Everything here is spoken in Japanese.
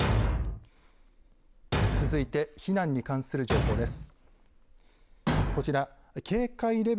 続いて避難に関する情報です。